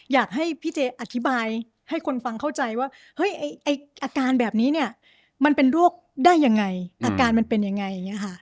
อยากให้พี่เจอธิบายให้คนฟังเข้าใจว่าอาการแบบนี้มันเป็นโรคได้ยังไงอาการมันเป็นยังไง